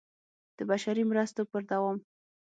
د بشري مرستو پر دوام